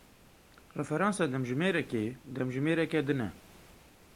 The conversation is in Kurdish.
Referansa demjimêrekê, demjimêreke din e.